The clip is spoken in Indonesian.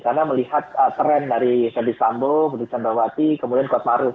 karena melihat tren dari fadil sambo md chandrawati kemudian kuat maruf